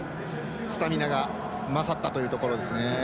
スタミナが勝ったというところですね。